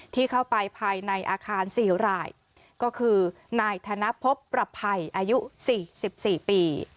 ที่เข้าไปภายในอาคารสีหลายก็คือนายธนพพปรับภัยอายุสี่สิบสี่ปี